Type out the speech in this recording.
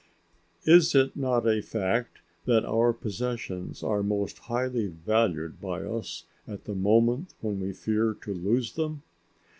Is it not a fact that our possessions are most highly valued by us at the moment when we fear to lose them?...